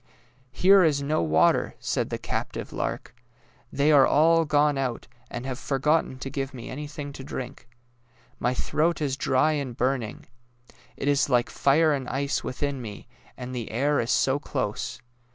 '' Here is no water," said the captive lark. '^ They are all gone out, and have forgotten to give me anything to drink. My throat is dry and burning. It is like fire and ice within me, and the air is so close.